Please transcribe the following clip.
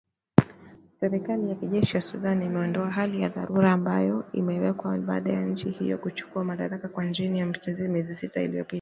Serikali ya kijeshi ya Sudan imeondoa hali ya dharura ambayo iliwekwa baada ya nchi hiyo kuchukua madaraka kwa njia ya mapinduzi miezi sita iliyopita